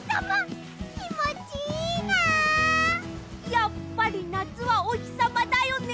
やっぱりなつはおひさまだよね！